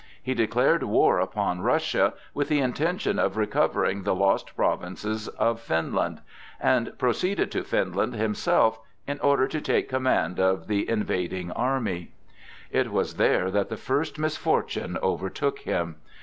He declared war upon Russia, with the intention of recovering the lost provinces of Finland, and proceeded to Finland himself in order to take command of the invading army. It was there that the first misfortune overtook him.